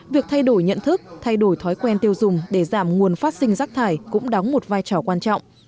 việc thay đổi nhận thức thay đổi thói quen tiêu dùng để giảm nguồn phát sinh rác thải cũng đóng một vai trò quan trọng